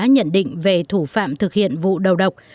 nhận định về thủ phạm thực hiện vụ đầu độc